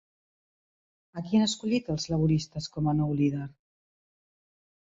A qui han escollit els laboristes com a nou líder?